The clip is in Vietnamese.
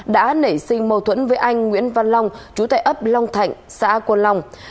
đã nảy sinh mâu thuẫn với anh nguyễn văn long chú tại ấp long thạnh xã quân long